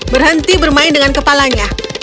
berhenti bermain dengan kepalanya